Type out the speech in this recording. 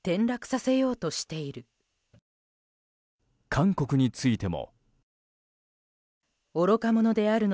韓国についても。